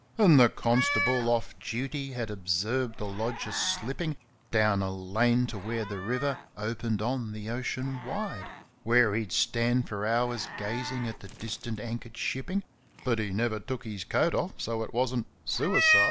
And the constable, off duty, had observed the lodger slipping Down a lane to where the river opened on the ocean wide, Where he'd stand for hours gazing at the distant anchor'd shipping, But he never took his coat off, so it wasn't suicide.